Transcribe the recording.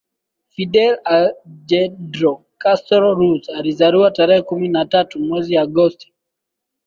Fidel Alejandro Castro Ruz alizaliwa tarehe kumi na tatu mwezi Agosti